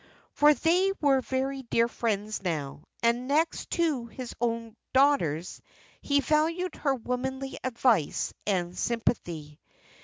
For they were very dear friends now, and, next to his own daughters, he valued her womanly advice and sympathy.